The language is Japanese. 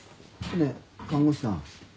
ねえ看護師さん。